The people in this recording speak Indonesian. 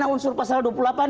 malah informasi didapatkan